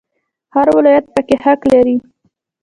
هر ولایت پکې حق لري